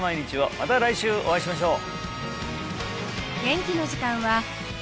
また来週お会いしましょう！